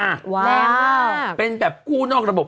แรงมากเป็นแบบกู้นอกระบบ